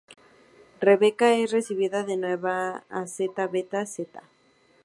Rebecca es recibida de nuevo a Zeta Beta Zeta.